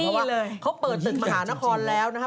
เพราะว่าเขาเปิดศึกมหานครแล้วนะครับ